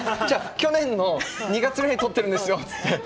去年の２月ぐらいに撮っているんですよって。